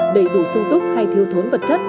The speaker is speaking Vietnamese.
đầy đủ sung túc hay thiếu thốn vật chất